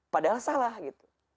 padahal salah gitu